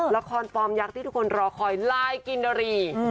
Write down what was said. ละครฟอร์มยักษ์ที่ทุกคนรอคอยลายกินนารี